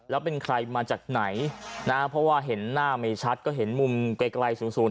แล้วเป็นใครมาจากไหนนะเพราะว่าเห็นหน้าไม่ชัดก็เห็นมุมไกลไกลศูนศูนย